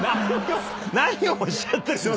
何をおっしゃってる。